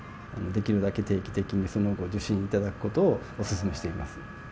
できるだけ定期的に、その後、受診いただくことをお勧めしています。